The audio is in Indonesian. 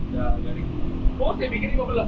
oh saya pikir ini mobilnya serta nabalan